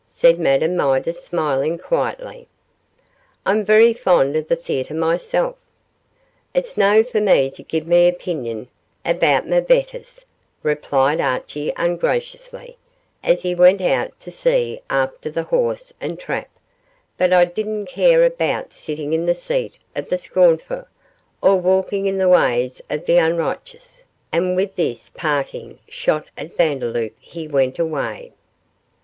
said Madame Midas, smiling quietly. 'I'm very fond of the theatre myself.' 'It's no for me to give ma opeenion about ma betters,' replied Archie, ungraciously, as he went out to see after the horse and trap; 'but I dinna care aboot sitting in the seat of the scornfu', or walking in the ways of the unrighteous,' and with this parting shot at Vandeloup he went away.